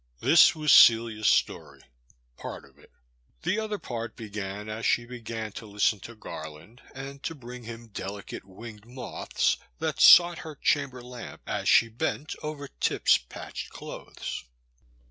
This was Celiacs story — ^part of it. The other part began as she began to listen to Garland, and to bring him delicate winged moths that sought her chamber lamp as she bent over Tip's patched clothes.